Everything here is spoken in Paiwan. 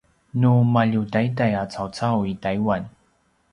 nu maljutaiday a caucau i taiwan